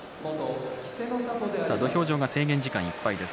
土俵上が制限時間いっぱいです。